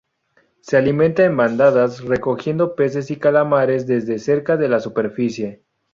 Se alimenta en bandadas, recogiendo peces y calamares desde cerca de la superficie.